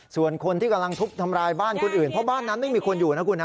ส่วนคนที่กำลังทุบทำร้ายบ้านคนอื่นเพราะบ้านนั้นไม่มีคนอยู่นะคุณนะ